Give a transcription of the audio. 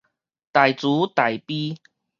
大慈大悲